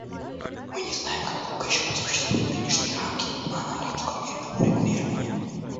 Мы не знаем, как долго еще просуществуют нынешние рамки плана арабского мирного урегулирования.